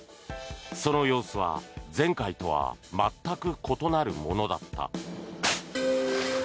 その様子は前回とは全く異なるものだった。